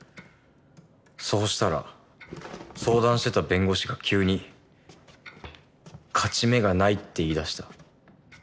そうしたら相談してた弁護士が急に「勝ち目がない」って言い出した。